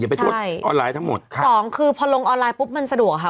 ไปโทษออนไลน์ทั้งหมดครับสองคือพอลงออนไลน์ปุ๊บมันสะดวกค่ะ